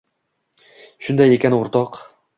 Shunday ekan o'rtoq